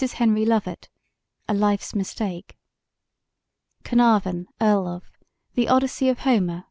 HENRY LOVETT: A Life's Mistake CARNARVON, EARL OF: The Odyssey of Homer.